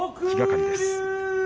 気がかりです。